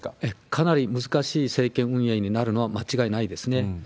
かなり難しい政権運営になるのは間違いないですね。